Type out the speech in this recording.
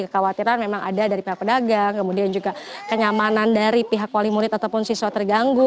kekhawatiran memang ada dari pihak pedagang kemudian juga kenyamanan dari pihak wali murid ataupun siswa terganggu